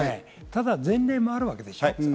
ただ前例があるでしょ。